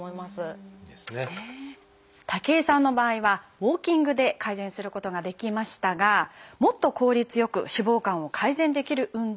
武井さんの場合はウォーキングで改善することができましたがもっと効率良く脂肪肝を改善できる運動があるんです。